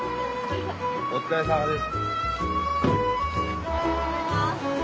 お疲れさまです。